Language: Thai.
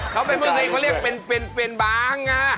เขาเป็นเพื่อนสักนิดเขาเรียกเป็นบาง